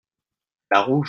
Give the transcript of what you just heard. la rouge.